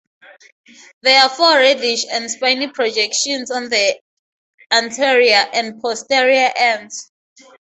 There are four reddish and spiny projections on the anterior and posterior ends.